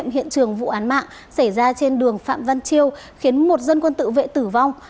hiện trường vụ án mạng xảy ra trên đường phạm văn chiêu khiến một dân quân tự vệ tử vong